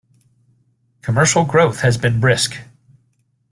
Commercial growth has been brisk.